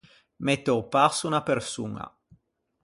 Mette a-o passo unna persoña.